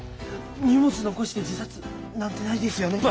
荷物残して自殺なんてないですよね。